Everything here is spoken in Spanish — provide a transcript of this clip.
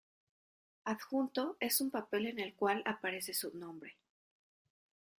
Adjunto es un papel en el cual aparece su nombre.